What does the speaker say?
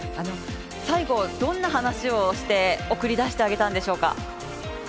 最後、どんな話をして送り出してあげたんでしょうか。